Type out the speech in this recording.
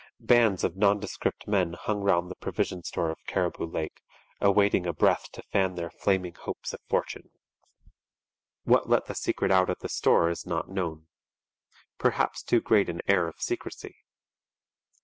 Bands of nondescript men hung round the provision store of Cariboo Lake awaiting a breath to fan their flaming hopes of fortune. What let the secret out at the store is not known. Perhaps too great an air of secrecy.